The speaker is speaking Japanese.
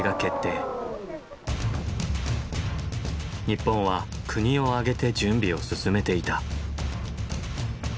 日本は国を挙げて準備を進めていた。